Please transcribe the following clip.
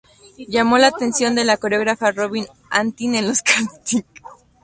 Llamó la atención de la coreógrafa Robin Antin en los castings.